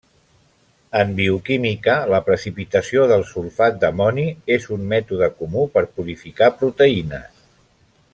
En bioquímica, la precipitació del sulfat d’amoni és un mètode comú per purificar proteïnes.